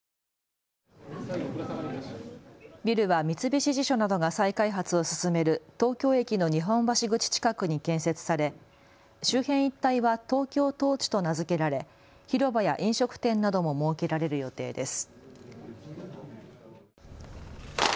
ビルは三菱地所などが再開発を進める東京駅の日本橋口近くに建設され周辺一帯はトウキョウトーチと名付けられ広場や飲食店なども設けられる予定です。